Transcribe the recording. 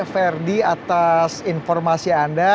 ferdi atas informasi anda